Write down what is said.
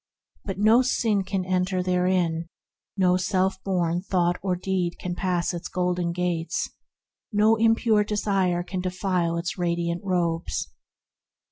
But no sin can enter therein; no self born thought or deed can pass its Golden Gates; no impure desire can defile its radiant robes.